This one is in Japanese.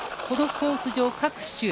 このコース上各所